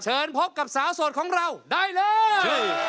พบกับสาวโสดของเราได้เลย